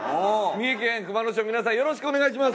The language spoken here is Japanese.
三重県熊野市を皆さんよろしくお願いします。